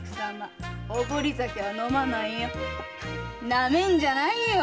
なめんじゃないよ！